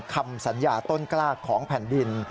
คำสัญญาต้นกล้าของแผ่นดิน